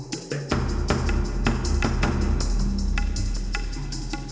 ken ken ken